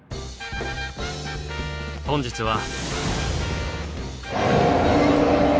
本日は。